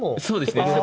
そうですね